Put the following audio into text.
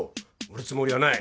売るつもりはない。